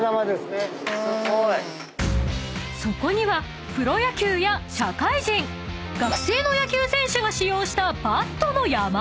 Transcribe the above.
［そこにはプロ野球や社会人学生の野球選手が使用した］